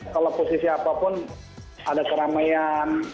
kalau posisi apapun ada keramaian